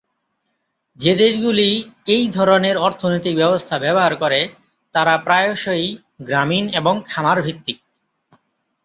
যে দেশগুলি এই ধরনের অর্থনৈতিক ব্যবস্থা ব্যবহার করে তারা প্রায়শই গ্রামীণ এবং খামার-ভিত্তিক।